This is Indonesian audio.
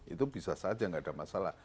itu bisa saja nggak ada masalah